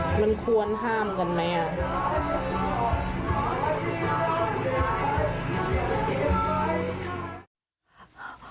มันควรห้ามกันไหมอ่ะ